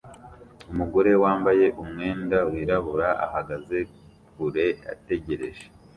Umugore wambaye umwenda wirabura ahagaze kure ategereje